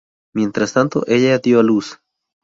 Mientras tanto, ella dio a luz.